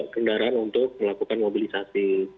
kendaraan untuk melakukan mobilisasi